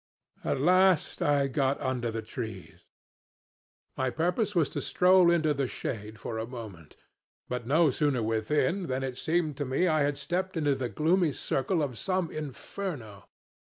At last I got under the trees. My purpose was to stroll into the shade for a moment; but no sooner within than it seemed to me I had stepped into a gloomy circle of some Inferno.